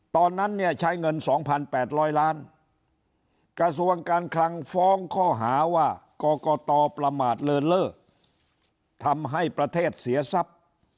ตอนนั้นเนี่ยใช้เงิน๒๘๐๐ล้านกระทรวงการคลังฟ้องข้อหาว่ากรกตประมาทเลินเล่อทำให้ประเทศเสียทรัพย์